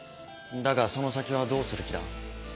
だがその先はどうする気だ？